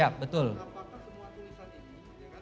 apakah semua tulisan ini ya kan